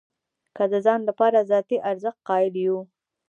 که د ځان لپاره ذاتي ارزښت قایل یو.